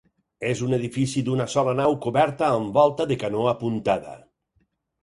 És un edifici d'una sola nau coberta amb volta de canó apuntada.